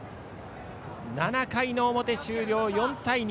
７回の表終了、４対２。